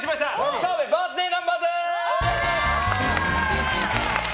澤部バースデーナンバーズ！